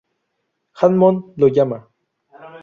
Hammond lo llama.